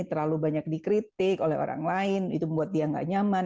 terlalu banyak dikritik oleh orang lain itu membuat dia nggak nyaman